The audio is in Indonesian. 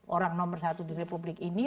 orang nomor satu di republik ini